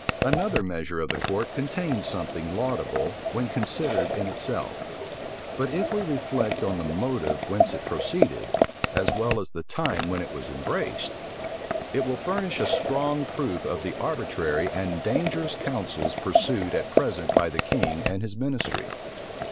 Another measure of the court contains something laudable, when considered in itself; but if we reflect on the motive whence it proceeded, as well as the time when it was embraced, it will furnish a strong proof of the arbitrary and dangerous counsels pursued at present by the king and his ministry.